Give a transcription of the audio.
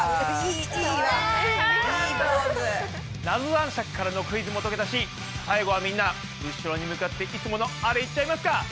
ナゾ男爵からのクイズも解けたし最後はみんな後ろに向かっていつものあれいっちゃいますか！